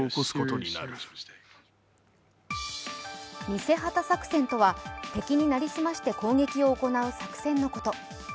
偽旗作戦とは、敵に成り済まして攻撃を行う作戦のこと。